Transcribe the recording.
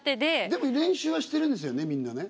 でも練習はしてるんですよねみんなね。